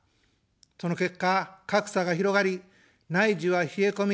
その結果、格差が広がり、内需は冷え込み、